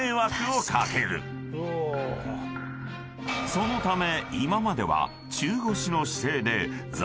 ［そのため］